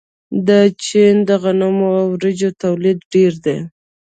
د چین د غنمو او وریجو تولید ډیر دی.